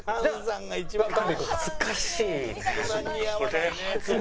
恥ずかしいね。